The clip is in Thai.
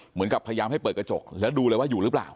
เหมือนกับพยายามให้เปิดกระจกแล้วดูเลยว่าอยู่หรือเปล่า